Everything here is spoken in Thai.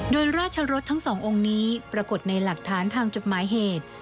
โดยราชรสทั้งสององค์นี้ปรากฏในหลักฐานทางจดหมายเหตุ